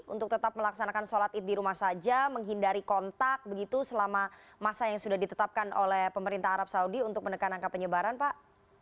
untuk tetap melaksanakan sholat id di rumah saja menghindari kontak begitu selama masa yang sudah ditetapkan oleh pemerintah arab saudi untuk menekan angka penyebaran pak